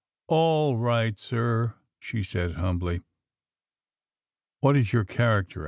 " All right, sir," she said humbly. "What is your character?"